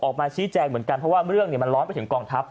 ออกมาชี้แจงเหมือนกันเพราะว่าเรื่องมันร้อนไปถึงกองทัพ